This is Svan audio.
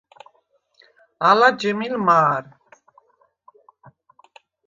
ალა ჯჷმილ მა̄რ.